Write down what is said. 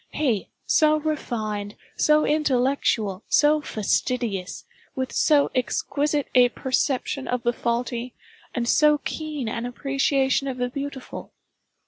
He, so refined, so intellectual, so fastidious, with so exquisite a perception of the faulty, and so keen an appreciation of the beautiful!